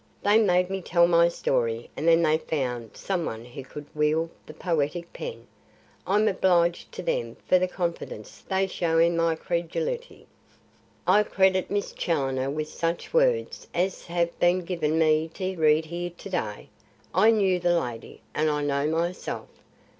They made me tell my story and then they found some one who could wield the poetic pen. I'm obliged to them for the confidence they show in my credulity. I credit Miss Challoner with such words as have been given me to read here to day? I knew the lady, and I know myself.